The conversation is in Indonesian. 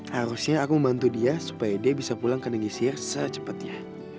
harusnya aku membantu dia supaya dia bisa pulang ke negi sihir secepetnya